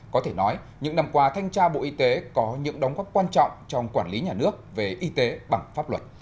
có thể nói những năm qua thanh tra bộ y tế có những đóng góp quan trọng trong quản lý nhà nước về y tế bằng pháp luật